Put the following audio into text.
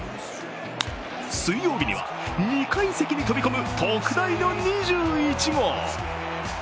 水曜日には２階席に飛び込む特大の２１号。